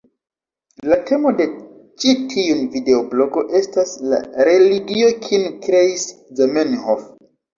La temo de ĉi tiun videoblogo estas la religio kiun kreis Zamenhof.